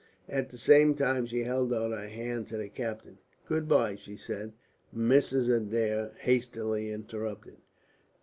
At the same time she held out her hand to the captain. "Good bye," she said. Mrs. Adair hastily interrupted.